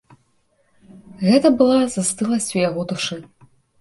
Гэта была застыласць у яго душы.